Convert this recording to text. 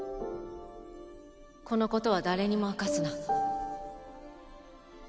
このことは誰にも明かすな。